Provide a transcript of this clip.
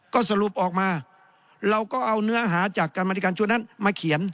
ก็สรุปออกมาเราก็เอาเนื้อหาจากการบริการชั่วนั้นมาเขียน